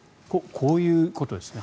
こういうことですね。